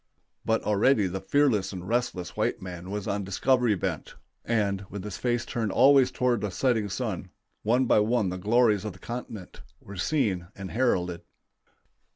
But already the fearless and restless white man was on discovery bent, and, with his face turned always toward the setting sun, one by one the glories of the continent were seen and heralded.